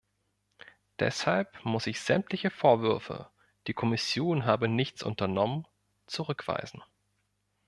Deshalb muss ich sämtliche Vorwürfe, die Kommission habe nichts unternommen, zurückweisen.